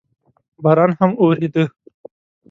باران هم اورېده.